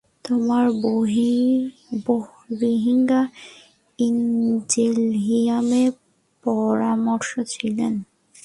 তিনি বোহরিঙ্গার ইনজেলহিমের পরামর্শক ছিলেন।